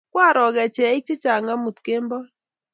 Kwaro kecheik chechang' amut kemboi